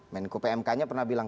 men kpmk nya pernah bilang